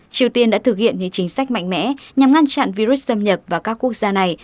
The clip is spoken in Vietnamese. triều tiên đã thực hiện những chính sách mạnh mẽ nhằm ngăn chặn virus xâm nhập vào các quốc gia này